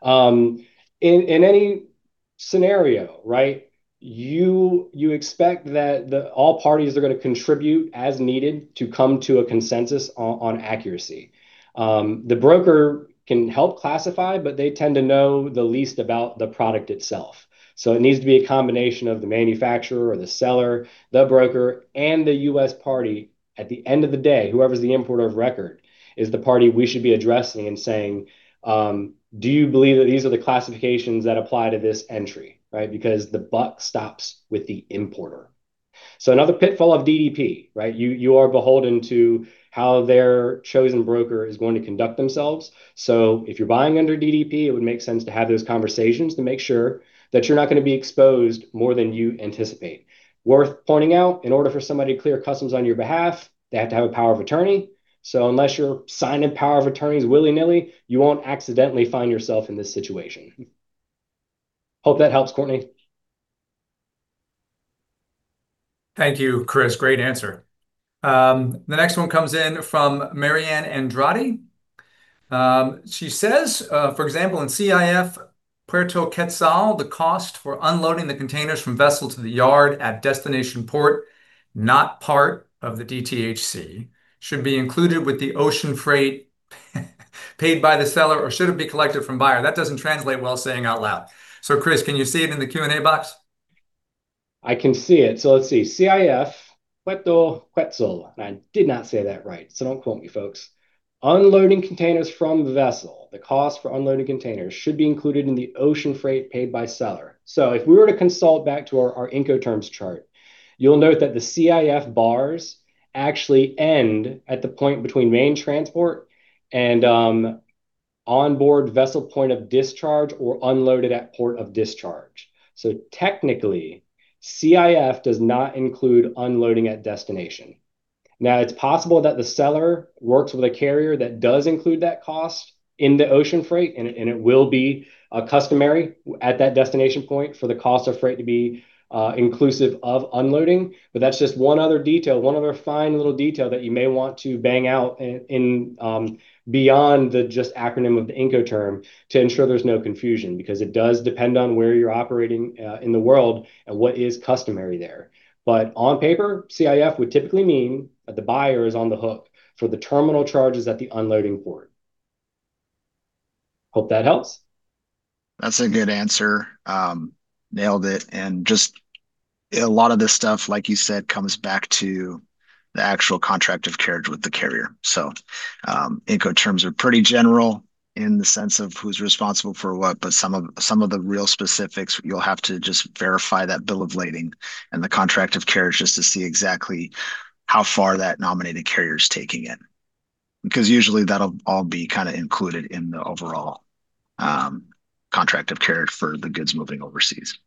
In any scenario, you expect that all parties are going to contribute as needed to come to a consensus on accuracy. The broker can help classify, but they tend to know the least about the product itself. It needs to be a combination of the manufacturer or the seller, the broker, and the U.S. party. At the end of the day, whoever's the Importer of Record is the party we should be addressing and saying, "Do you believe that these are the classifications that apply to this entry?" Because the buck stops with the importer. Another pitfall of DDP. You are beholden to how their chosen broker is going to conduct themselves. If you're buying under DDP, it would make sense to have those conversations to make sure that you're not going to be exposed more than you anticipate. Worth pointing out, in order for somebody to clear Customs on your behalf, they have to have a power of attorney. Unless you're signing power of attorneys willy-nilly, you won't accidentally find yourself in this situation. Hope that helps, Courtney. Thank you, Chris. Great answer. The next one comes in from Mariana Andrade. She says, "For example, in CIF Puerto Quetzal, the cost for unloading the containers from vessel to the yard at destination port, not part of the DTHC, should be included with the ocean freight paid by the seller, or should it be collected from buyer?" That doesn't translate well saying out loud. Chris, can you see it in the Q&A box? I can see it. Let's see. CIF Puerto Quetzal. I did not say that right, so don't quote me, folks. Unloading containers from the vessel. The cost for unloading containers should be included in the ocean freight paid by seller. If we were to consult back to our Incoterms chart, you'll note that the CIF bars actually end at the point between main transport and onboard vessel point of discharge or unloaded at port of discharge. Technically, CIF does not include unloading at destination. Now, it's possible that the seller works with a carrier that does include that cost in the ocean freight, and it will be customary at that destination point for the cost of freight to be inclusive of unloading. That's just one other detail, one other fine little detail that you may want to bang out in beyond the just acronym of the Incoterm to ensure there's no confusion, because it does depend on where you're operating in the world and what is customary there. On paper, CIF would typically mean that the buyer is on the hook for the terminal charges at the unloading port. Hope that helps. That's a good answer. Nailed it. Just A lot of this stuff, like you said, comes back to the actual contract of carriage with the carrier. Incoterms are pretty general in the sense of who's responsible for what, but some of the real specifics, you'll have to just verify that bill of lading and the contract of carriage just to see exactly how far that nominated carrier's taking it. Because usually that'll all be kind of included in the overall contract of carriage for the goods moving overseas.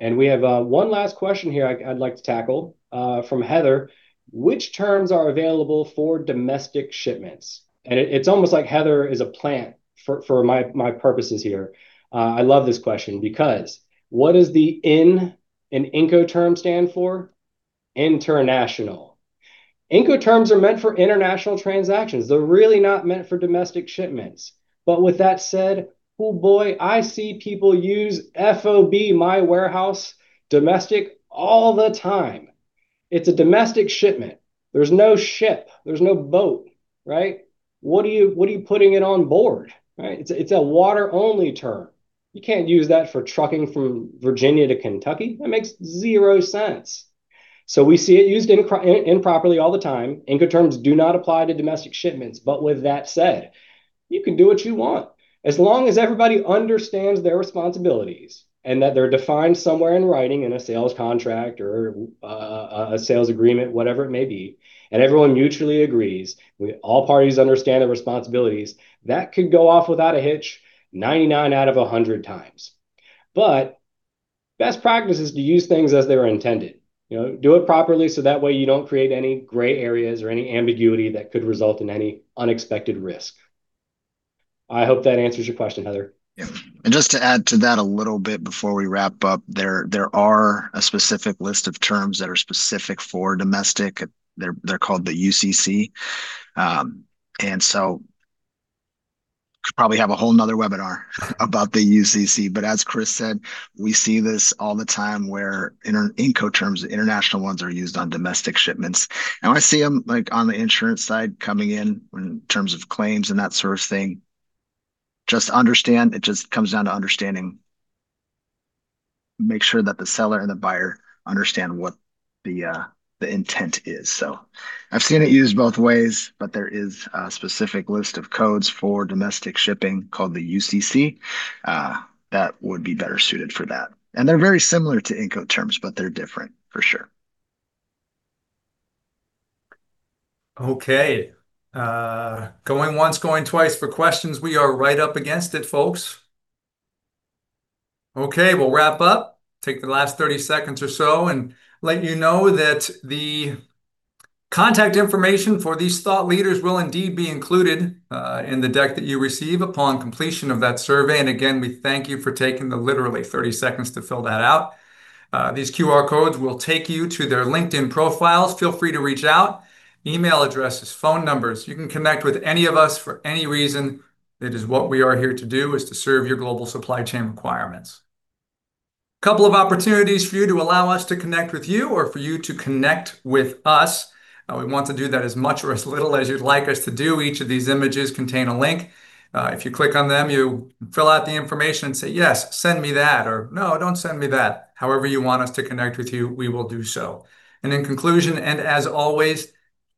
We have one last question here I'd like to tackle, from Heather. Which terms are available for domestic shipments? It's almost like Heather is a plant for my purposes here. I love this question because what does the N in Incoterm stand for? International. Incoterms are meant for international transactions. They're really not meant for domestic shipments. With that said, oh boy, I see people use FOB my warehouse domestic all the time. It's a domestic shipment. There's no ship, there's no boat, right? What are you putting it on board, right? It's a water-only term. You can't use that for trucking from Virginia to Kentucky. That makes zero sense. We see it used improperly all the time. Incoterms do not apply to domestic shipments. With that said, you can do what you want. As long as everybody understands their responsibilities and that they're defined somewhere in writing in a sales contract or a sales agreement, whatever it may be, and everyone mutually agrees, all parties understand their responsibilities, that could go off without a hitch 99 out of 100 times. Best practice is to use things as they were intended. Do it properly so that way you don't create any gray areas or any ambiguity that could result in any unexpected risk. I hope that answers your question, Heather. Yeah. Just to add to that a little bit before we wrap up, there are a specific list of terms that are specific for domestic. They're called the UCC. Could probably have a whole another webinar about the UCC. As Chris said, we see this all the time where Incoterms, international ones, are used on domestic shipments. I see them on the insurance side coming in in terms of claims and that sort of thing. Just understand it just comes down to understanding, make sure that the seller and the buyer understand what the intent is. I've seen it used both ways, but there is a specific list of codes for domestic shipping called the UCC, that would be better suited for that. They're very similar to Incoterms, but they're different, for sure. Okay. Going once, going twice for questions. We are right up against it, folks. We'll wrap up, take the last 30 seconds or so and let you know that the contact information for these thought leaders will indeed be included in the deck that you receive upon completion of that survey. Again, we thank you for taking the literally 30 seconds to fill that out. These QR codes will take you to their LinkedIn profiles. Feel free to reach out. Email addresses, phone numbers. You can connect with any of us for any reason. It is what we are here to do, is to serve your global supply chain requirements. Couple of opportunities for you to allow us to connect with you or for you to connect with us. We want to do that as much or as little as you'd like us to do. Each of these images contain a link. If you click on them, you fill out the information and say, "Yes, send me that," or, "No, don't send me that." However you want us to connect with you, we will do so. In conclusion, and as always,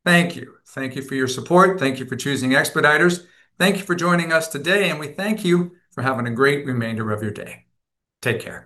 thank you. Thank you for your support. Thank you for choosing Expeditors. Thank you for joining us today, and we thank you for having a great remainder of your day. Take care